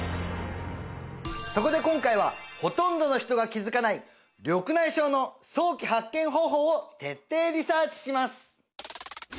そこで今回はほとんどの人が気づかない緑内障の早期発見方法を徹底リサーチします